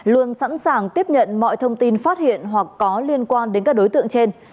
luôn sẵn sàng tiếp nhận mọi thông tin phát hiện hoặc có liên quan đến các đối tượng trên